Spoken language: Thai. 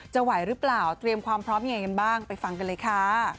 ไหวหรือเปล่าเตรียมความพร้อมยังไงกันบ้างไปฟังกันเลยค่ะ